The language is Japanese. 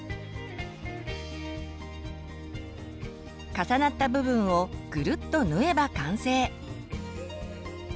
重なった部分をぐるっと縫えば完成。